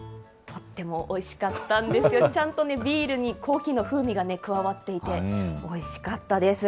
とってもおいしかったんですよ、ちゃんとビールにコーヒーの風味が加わっていて、おいしかったです。